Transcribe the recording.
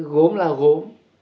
gốm là gốm